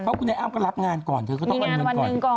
เพราะคุณไอ้อ้ามก็รับงานก่อนเธอก็ต้องเอาเงินก่อน